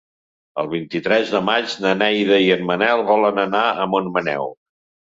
El vint-i-tres de maig na Neida i en Manel volen anar a Montmaneu.